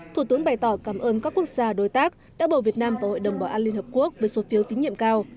thủ tướng bày tỏ cảm ơn các quốc gia đối tác đã bầu việt nam vào hội đồng bảo an liên hợp quốc với số phiếu tín nhiệm cao